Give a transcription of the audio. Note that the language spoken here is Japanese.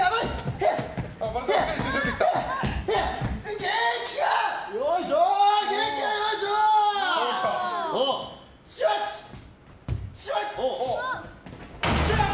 ヘッ！